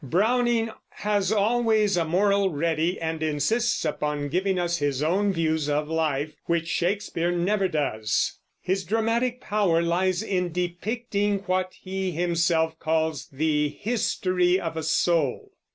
Browning has always a moral ready, and insists upon giving us his own views of life, which Shakespeare never does. His dramatic power lies in depicting what he himself calls the history of a soul.